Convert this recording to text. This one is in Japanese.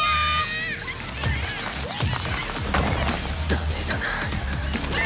ダメだな。